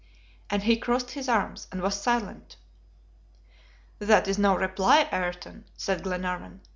And he crossed his arms and was silent. "That is no reply, Ayrton," said Glenarvan.